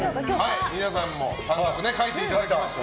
皆さんも書いていただきました。